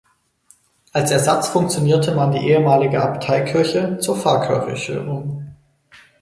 Als Ersatz funktionierte man die die ehemalige Abteikirche zur Pfarrkirche um.